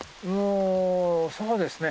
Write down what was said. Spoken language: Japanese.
そうですね。